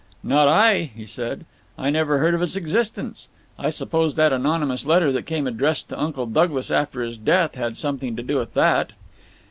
"Not I," he said. "I never heard of its existence. I suppose that anonymous letter that came addressed to Uncle Douglas after his death had something to do with that."